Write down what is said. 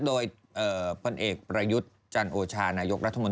โดยพลเอกประยุทธ์จันทร์โอชานายกรรถมันตึง